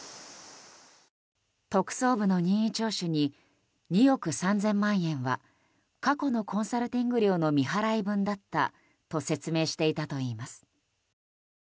特捜部の任意聴取に２億３０００万円は過去のコンサルティング料の未払い分だったと説明していたといいます。